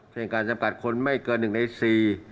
เช่นการจำกัดคนไม่เกิน๑ใน๔